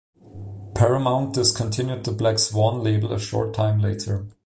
Paramount discontinued the Black Swan label a short time later.